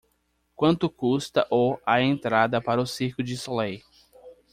quanto custa o a entrada para o circo de Soleil